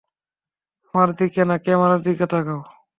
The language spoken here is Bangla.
আমার দিকে না, ক্যামেরার দিকে তাকাও।